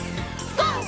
ＧＯ！